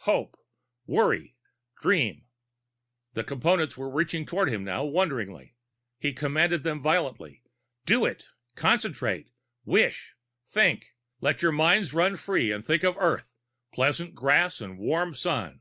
"Hope! "Worry! "Dream!" The Components were reaching toward him now, wonderingly. He commanded them violently: "Do it concentrate, wish, think! Let your minds run free and think of Earth, pleasant grass and warm sun!